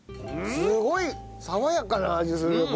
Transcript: すごい爽やかな味する！